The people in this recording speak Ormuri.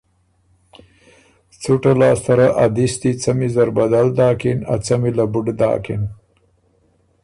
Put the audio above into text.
څُټه لاسته ره ا دِستی څمی زر بدل داکِن ا څمی له بُډ داکِن۔